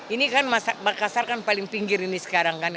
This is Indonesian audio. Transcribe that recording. ini kan makassar kan paling pinggir ini sekarang kan